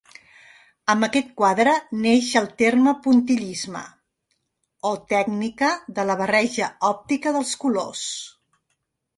Amb aquest quadre neix el terme puntillisme, o tècnica de la barreja òptica dels colors.